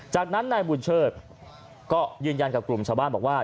จากนั้นนายบุญเชิดก็ยืนยันกับกลุ่มชาวบ้านบอกว่า